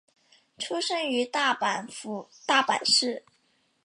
出身于大阪府大阪市。